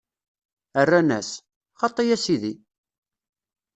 Rran-as: Xaṭi a Sidi!